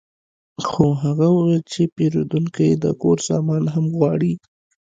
خو هغه وویل چې پیرودونکی د کور سامان هم غواړي